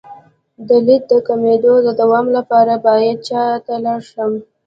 د لید د کمیدو د دوام لپاره باید چا ته لاړ شم؟